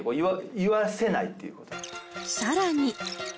さらに